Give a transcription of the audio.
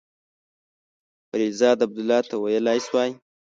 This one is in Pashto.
خلیلزاد عبدالله ته ویلای سوای.